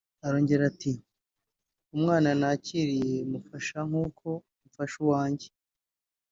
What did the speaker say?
Arongera ati” Umwana nakiriye mufasha nk’uko mfasha uwanjye